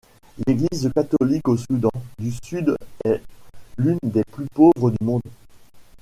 L'Église catholique au Soudan du Sud est l'une des plus pauvres du monde.